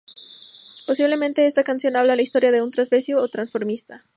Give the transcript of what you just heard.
Posiblemente esta canción habla la historia de un travesti o transformista.